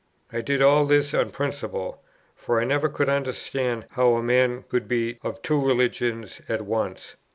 I did all this on principle; for I never could understand how a man could be of two religions at once.